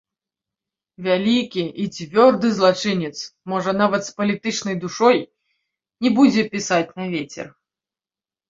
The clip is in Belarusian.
Вялікі і цвёрды злачынец, можа нават з палітычнай душой, не будзе пісаць на вецер.